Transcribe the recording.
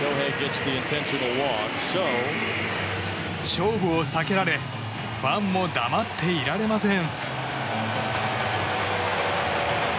勝負を避けられファンも黙っていられません。